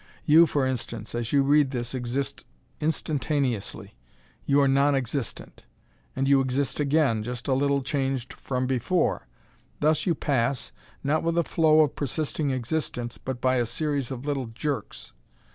You, for instance, as you read this, exist instantaneously; you are non existent; and you exist again, just a little changed from before. Thus you pass, not with a flow of persisting existence, but by a series of little jerks.